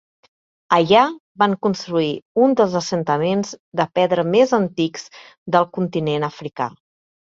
Allà van construir un dels assentaments de pedra més antics del continent africà.